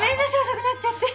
遅くなっちゃって